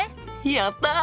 やった！